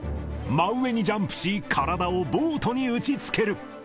真上にジャンプし、体をボートに打ちつける。